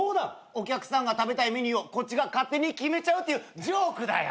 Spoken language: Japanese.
お客さんが食べたいメニューをこっちが勝手に決めるっていうジョークだよ。